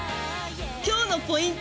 今日のポイント